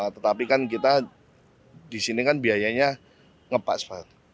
tetapi kan kita di sini kan biayanya ngepas pak